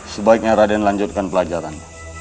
sebaiknya raden lanjutkan pelajaran